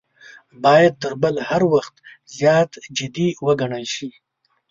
باید تر بل هر وخت زیات جدي وګڼل شي.